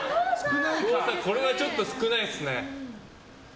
これはちょっと少ないです。